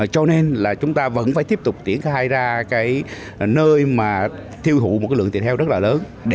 cho nên là chúng ta vẫn phải tiếp tục triển khai ra cái nơi mà tiêu thụ một cái lượng thịt heo rất là lớn